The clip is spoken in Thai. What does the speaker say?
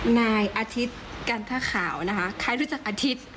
ในอาทิตย์การท่าข่าวนะคะใครรู้จักอาทิตย์